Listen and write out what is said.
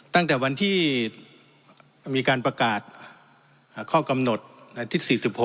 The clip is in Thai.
ตั้งแต่วันที่มีการประกาศข้อกำหนดอาทิตย์๔๖